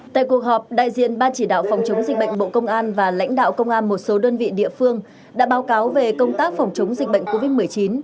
tại cuộc họp đại diện ban chỉ đạo phòng chống dịch bệnh bộ công an và lãnh đạo công an một số đơn vị địa phương đã báo cáo về công tác phòng chống dịch bệnh covid một mươi chín